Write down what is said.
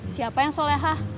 siapa yang solehah